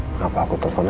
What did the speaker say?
kenapa aku telfon aja